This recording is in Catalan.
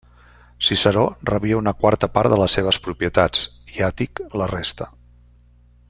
Ciceró rebia una quarta part de les seves propietats, i Àtic la resta.